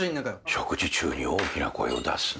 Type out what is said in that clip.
食事中に大きな声を出すな。